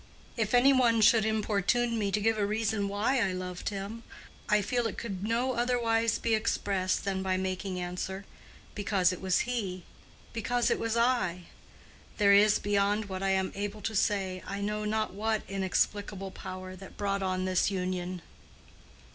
"If any one should importune me to give a reason why I loved him, I feel it could no otherwise be expressed than by making answer, 'Because it was he, because it was I.' There is, beyond what I am able to say, I know not what inexplicable power that brought on this union."